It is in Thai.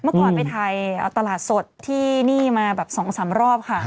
เมื่อก่อนไปถ่ายเอาตลาดสดที่นี่มาแบบ๒๓รอบค่ะ